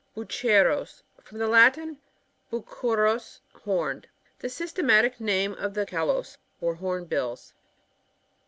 BocERos. — From the Latin, bucerua', horned. The systematic name of the Calaos or hornbills.